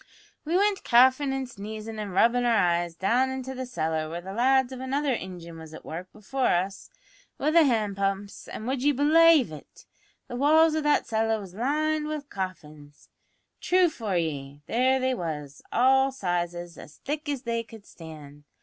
We wint coughin' and sneezin' an' rubbin' our eyes down into a cellar, where the lads of another ingin was at work before us wi' the hand pumps, an', would ye belaive it? but the walls o' that cellar was lined wi' coffins! True for ye, there they was, all sizes, as thick as they could stand.